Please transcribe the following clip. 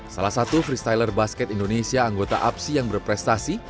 salah satu freestyler basket indonesia anggota apsi yang berprestasi